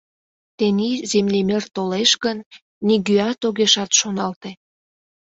Тений землемер толеш гын, нигӧат огешат шоналте.